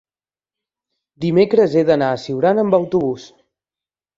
dimecres he d'anar a Siurana amb autobús.